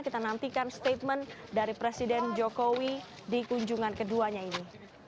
kita nantikan statement dari presiden jokowi di kunjungan keduanya ini